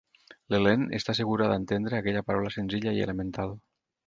L'Helene està segura d'entendre aquella paraula senzilla i elemental.